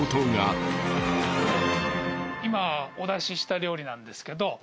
今お出しした料理なんですけど。